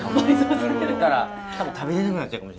だから多分食べれなくなっちゃうかも。